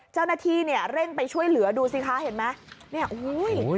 เจ้าหน้าที่เนี่ยเร่งไปช่วยเหลือดูสิคะเห็นไหมเนี่ยอุ้ย